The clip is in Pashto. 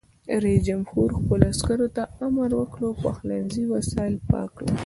رئیس جمهور خپلو عسکرو ته امر وکړ؛ د پخلنځي وسایل پاک کړئ!